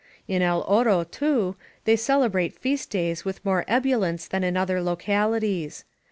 In El Oro, too, they celebrate feast days with more ebullience than in other localities.